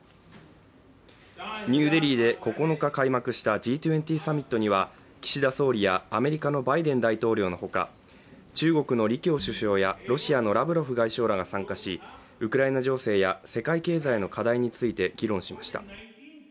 ニューデリーで９日開幕したＧ２０サミットには岸田総理やアメリカのバイデン大統領のほか、中国の李強首相やロシアのラブロフ外相が参加しウクライナ情勢や世界経済の課題について議論しました。